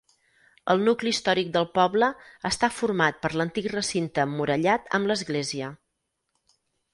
El nucli històric del poble està format per l'antic recinte emmurallat amb l'església.